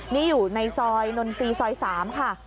นี้อยู่ในซอยนน๔ซอย๓ค่ะ